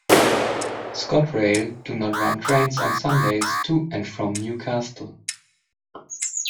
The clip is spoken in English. ScotRail do not run trains on Sundays to and from Newcastle.